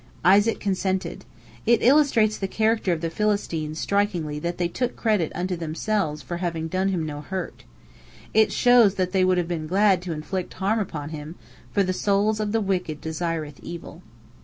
Isaac consented. It illustrates the character of the Philistines strikingly that they took credit unto themselves for having done him no hurt. It shows that they would have been glad to inflict harm upon him, for "the soul of the wicked desireth evil."